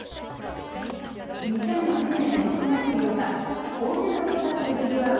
２００８年６月８日、大勢の人たちでにぎわう